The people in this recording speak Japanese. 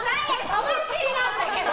とばっちりなんだけど！